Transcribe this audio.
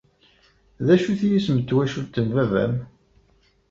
D acu-t yisem n twacult n baba-m?